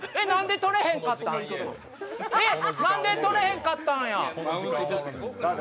え、なんで取れへんかったんや。